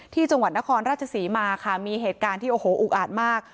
ที่จังหวัดนครราชศรีมาค่ะมีเหตุการณ์ที่โอ้โหอุกอาจมาก